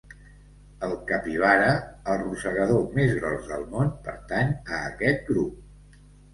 El capibara, el rosegador més gros del món, pertany a aquest grup.